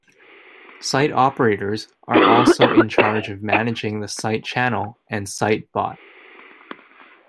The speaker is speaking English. Site operators are also in charge of managing the site channel, and sitebot.